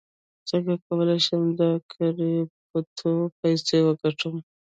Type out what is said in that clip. څنګه کولی شم په کریپټو پیسې وګټم